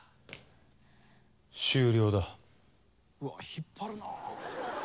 引っ張るなぁ。